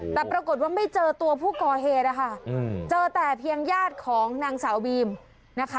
แต่ปรากฏว่าไม่เจอตัวผู้ก่อเหตุนะคะเจอแต่เพียงญาติของนางสาวบีมนะคะ